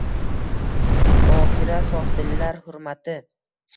Bokira sofdillar hurmati –